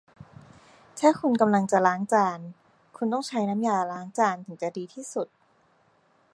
ถ้าคุณกำลังจะล้างจาน คุณต้องใช้น้ำยาล้างจานถึงจะดีที่สุด